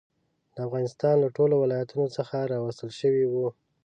د افغانستان له ټولو ولایتونو څخه راوستل شوي وو.